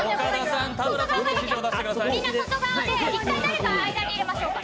みんな外側で一旦誰か入れましょうか。